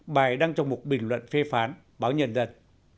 bài đăng trong một bình luận phê phán báo nhận dần